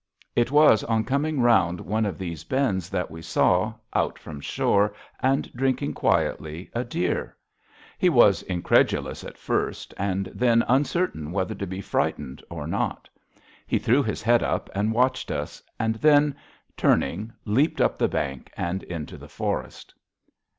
It was on coming round one of these bends that we saw, out from shore and drinking quietly, a deer. He was incredulous at first, and then uncertain whether to be frightened or not. He threw his head up and watched us, and then, turning, leaped up the bank and into the forest.